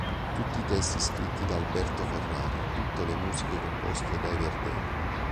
Tutti i testi scritti da Alberto Ferrari, tutte le musiche composte dai Verdena.